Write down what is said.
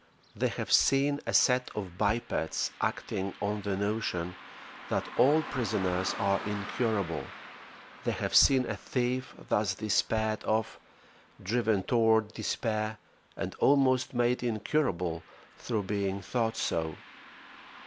They have seen a set of bipeds acting on the notion that all prisoners are incurable: they have seen a thief, thus despaired of, driven toward despair, and almost made incurable through being thought so.